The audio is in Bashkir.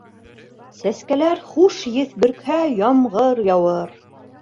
Сәскәләр хуш еҫ бөркһә, ямғыр яуыр.